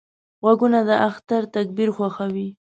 غوږونه د اختر تکبیر خوښوي